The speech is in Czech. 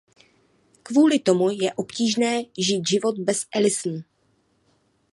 Kvůli tomu je obtížné žít život bez Allison.